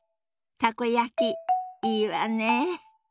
たこ焼きいいわね。